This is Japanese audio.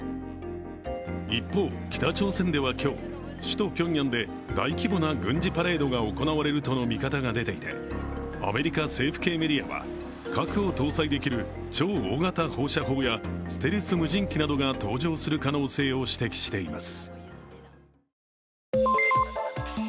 一方、北朝鮮では今日、首都ピョンヤンで大規模な軍事パレードが行われるとの見方が出ていてアメリカ政府系メディアは核を搭載できる超大型放射法やステルス無人機などが登場する可能性を指摘しています。